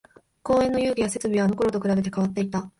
公園の遊具や設備はあのころと比べて変わっていた